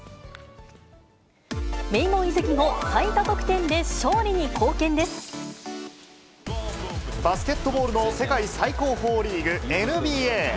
名門移籍後、最多得点で勝利バスケットボールの世界最高峰リーグ、ＮＢＡ。